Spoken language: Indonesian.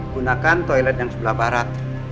gunakan toilet yang sebelah barat